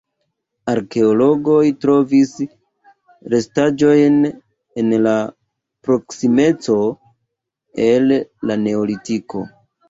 Arkeologoj trovis restaĵojn en la proksimeco el la neolitiko.